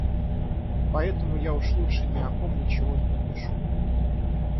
Поэтому я уж лучше ни о ком ничего не напишу.